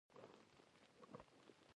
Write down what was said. ایا زه پیسې راوړم؟